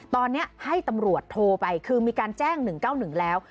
ตอนนี้ให้ตำรวจโทรไปคือมีการแจ้ง๑๙๑แล้ว